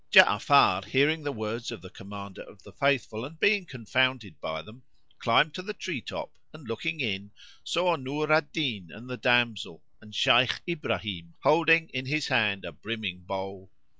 Ja'afar, hearing the words of the Commander of the Faithful and being confounded by them, climbed to the tree top and looking in, saw Nur al Din and the damsel, and Shaykh Ibrahim holding in his hand a brimming bowl.